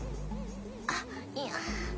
あっいや。